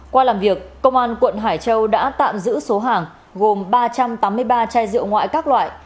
qua làm việc công an quận hải châu đã tạm giữ số hàng gồm ba trăm tám mươi ba chai rượu ngoại các loại